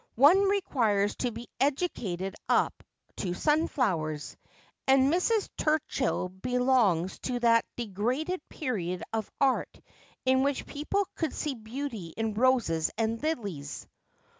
One requires to be educated up to sunflowers ; and Mrs. Turchill belongs to that degraded period of art in which people could see beauty in roses and lilies.'